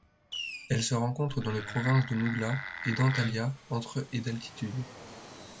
Elle se rencontre dans les provinces de Muğla et d'Antalya entre et d'altitude.